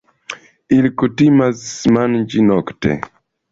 Ili kutimas manĝi nokte.